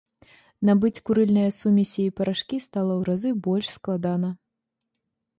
Набыць курыльныя сумесі і парашкі стала ў разы больш складана.